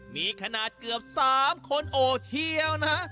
มีขนาดเกือบ๓คนโอเทียวนะ